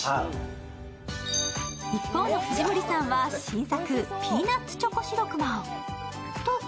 一方の藤森さんは新作ピーナッツチョコシロクマを。